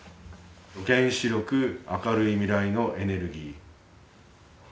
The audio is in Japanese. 「原子力明るい未来のエネルギー」。